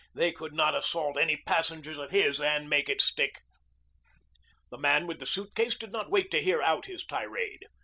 They could not assault any passengers of his and make it stick. The man with the suitcase did not wait to hear out his tirade.